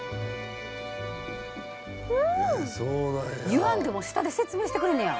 言わんでも下で説明してくれんねや。